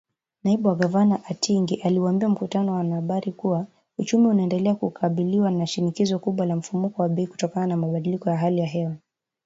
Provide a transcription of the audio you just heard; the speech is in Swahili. Naibu Gavana Atingi aliuambia mkutano wa wanahabari kuwa, uchumi unaendelea kukabiliwa na shinikizo kubwa la mfumuko wa bei kutokana na mabadiliko ya hali ya hewa